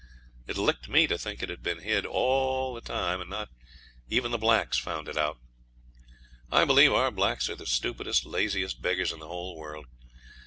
It licked me to think it had been hid away all the time, and not even the blacks found it out. I believe our blacks are the stupidest, laziest beggars in the whole world.